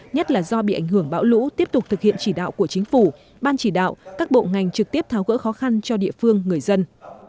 nhất là do bị ảnh hưởng bão lũ tiếp tục thực hiện chỉ đạo của chính phủ ban chỉ đạo các bộ ngành trực tiếp tháo gỡ khó khăn cho địa phương người dân